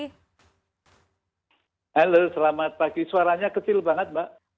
halo selamat pagi suaranya kecil banget mbak